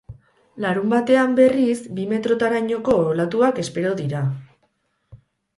Larunbatean, berriz, bi metrorainoko olatuak espero dira.